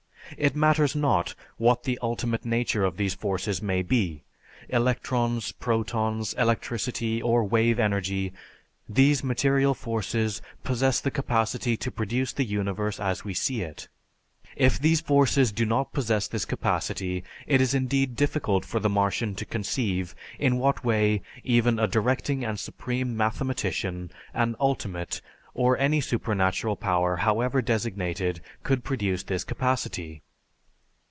It matters not what the ultimate nature of these forces may be, electrons, protons, electricity, or wave energy; these material forces possess the capacity to produce the universe as we see it. If these forces do not possess this capacity it is indeed difficult for the Martian to conceive in what way even a "directing and supreme mathematician" an "ultimate," or any supernatural power however designated could produce this capacity.